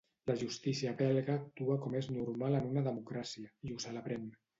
La justícia belga actua com és normal en una democràcia i ho celebrem.